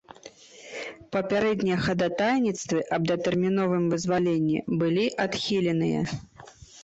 Папярэднія хадатайніцтвы аб датэрміновым вызваленні былі адхіленыя.